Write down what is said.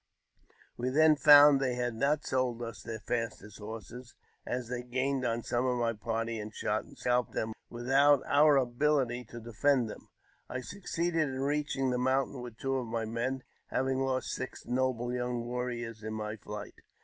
We i hen found they had not sold us their fastest horses, as they gained on some of my party, and shot and scalped them with i'Ut our abihty to defend them. I succeeded in reaching the laountain with two of my men, having lost six noble young 'varriors in my flight.